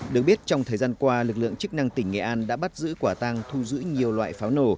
được biết trong thời gian qua lực lượng chức năng tỉnh nghệ an đã bắt giữ quả tăng thu giữ nhiều loại pháo nổ